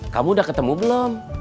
kamu udah ketemu belum